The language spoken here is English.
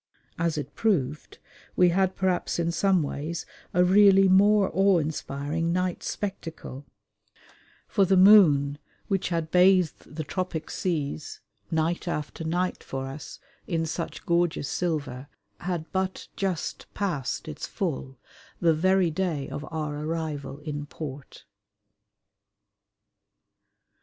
As it proved, we had perhaps in some ways a really more awe inspiring night spectacle; for the moon, which had bathed the tropic seas night after night for us in such gorgeous silver, had but just passed its full the very day of our arrival in port.